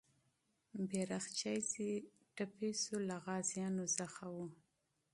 بیرغچی چې زخمي سو، له غازیانو څخه و.